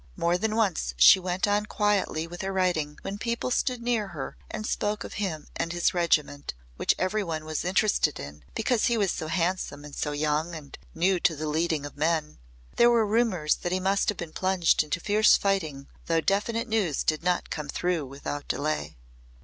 More than once she went on quietly with her writing when people stood near her and spoke of him and his regiment, which every one was interested in because he was so handsome and so young and new to the leading of men. There were rumours that he must have been plunged into fierce fighting though definite news did not come through without delay.